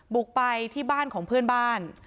บุกไปที่บ้านของเพื่อนบ้าน